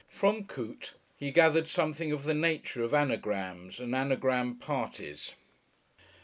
From Coote he gathered something of the nature of Anagrams and Anagram parties.